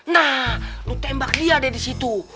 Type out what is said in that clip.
nah lo tembak dia dari situ